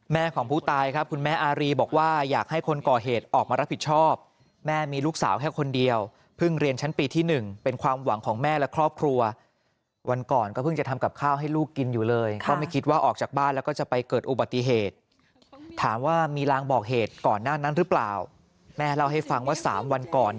ของผู้ตายครับคุณแม่อารีบอกว่าอยากให้คนก่อเหตุออกมารับผิดชอบแม่มีลูกสาวแค่คนเดียวเพิ่งเรียนชั้นปีที่๑เป็นความหวังของแม่และครอบครัววันก่อนก็เพิ่งจะทำกับข้าวให้ลูกกินอยู่เลยก็ไม่คิดว่าออกจากบ้านแล้วก็จะไปเกิดอุบัติเหตุถามว่ามีรางบอกเหตุก่อนหน้านั้นหรือเปล่าแม่เล่าให้ฟังว่า๓วันก่อน